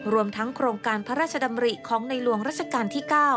รวมทั้งโครงการพระราชดำริของในหลวงรัชกาลที่๙